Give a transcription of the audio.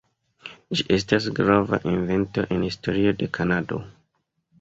Ĝi estas grava evento en historio de Kanado.